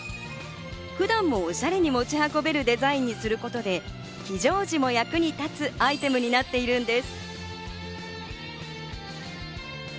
普段もおしゃれに持ち運べるデザインにすることで、非常時も役に立つアイテムになっているんです。